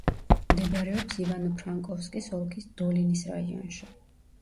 მდებარეობს ივანო-ფრანკოვსკის ოლქის დოლინის რაიონში.